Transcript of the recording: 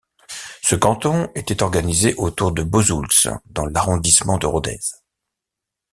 Ce canton était organisé autour de Bozouls dans l'arrondissement de Rodez.